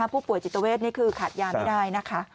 ผู้ป่วยจิตเวชขาดยาไม่ได้